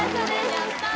やったー